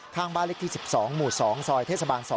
ข้างบ้านเล็กที่๑๒หมู่๒ซอยเทศบาล๒